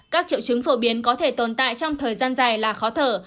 các triệu chứng phổ biến có thể tồn tại trong thời gian dài là khó thở